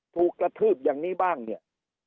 ถูกกระทืบอย่างนี้บ้างเนี่ย